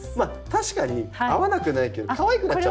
確かに合わなくないけどかわいくなっちゃうもんね。